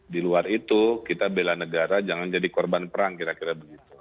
di luar itu kita bela negara jangan jadi korban perang kira kira begitu